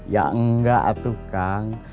ya enggak atuh kang